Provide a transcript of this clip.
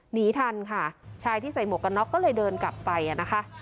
หนีทันค่ะชายที่ใส่หมวกกันน็อกก็เลยเดินกลับไปนะคะ